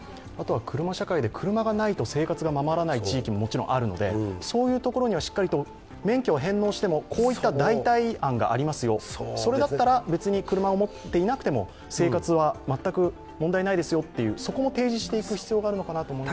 車社会で、車がないと生活がままならない地域もあるのでそういう所にはしっかりと、免許は返納してもこういった代替案がありますよ、それだったら別に車を持っていなくても生活は全く問題ないですよとそこも提示していく必要があるのかなと思います。